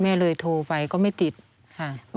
แม่เลยโทรไปก็ไม่ติดค่ะ